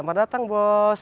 selamat datang bos